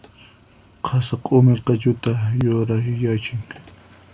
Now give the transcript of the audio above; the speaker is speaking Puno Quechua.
Qasa q'umir q'achuta yurakyachin.